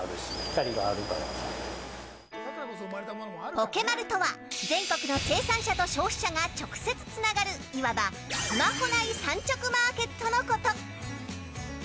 ポケマルとは全国の生産者と消費者が直接つながるいわば、スマホ内産直マーケットのこと。